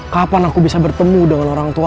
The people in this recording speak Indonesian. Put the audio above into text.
kapan aku bisa bertemu dengan orang tua